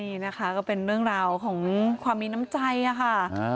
นี่นะคะก็เป็นเรื่องราวของความมีน้ำใจค่ะ